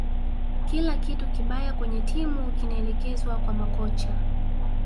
kila kitu kibaya kwenye timu kinaelekezwa kwa makocha